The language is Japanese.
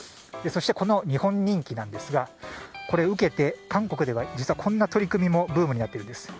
そして、この日本人気なんですがこれを受けて韓国では実はこんな取り組みもブームになっています。